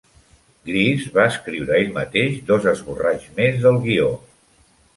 Gries va escriure ell mateix dos esborralls més del guió.